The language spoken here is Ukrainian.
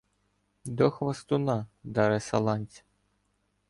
До хвастуна Дареса-ланця!